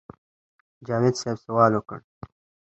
جاوېد صېب سوال وکړۀ